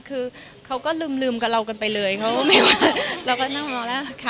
คือเขาก็ลืมกับเรากันไปเลยเขาก็ไม่ว่าเราก็นั่งมองแล้วค่ะ